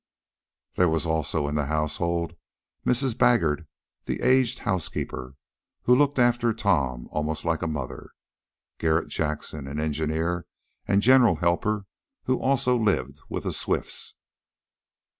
There was also in the household Mrs. Baggert, the aged housekeeper, who looked after Tom almost like a mother. Garret Jackson, an engineer and general helper, also lived with the Swifts.